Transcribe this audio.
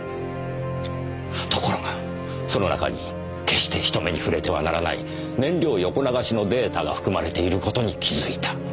ところがその中に決して人目に触れてはならない燃料横流しのデータが含まれている事に気づいた。